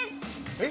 えっ？